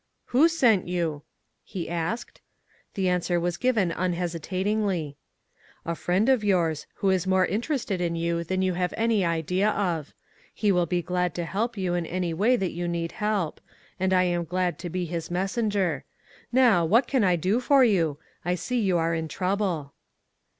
"Who sent you?" he asked. The answer was given unhesitatingly : "A friend of yours, who is more interested in you than you have any idea of. He will be glad to help you in any way that you need help; and I am glad to be his messenger. Now, what can I do for you? I see you are in trouble."